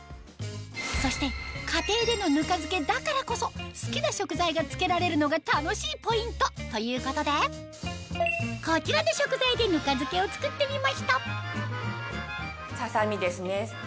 そして家庭でのぬか漬けだからこそ好きな食材が漬けられるのが楽しいポイントということでこちらの食材でぬか漬けを作ってみましたささみですね。